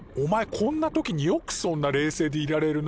こんな時によくそんな冷静でいられるな。